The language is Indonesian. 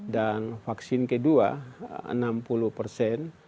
dan vaksin kedua enam puluh persen